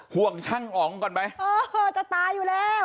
ห่วงช่างอ๋องก่อนไหมเออจะตายอยู่แล้ว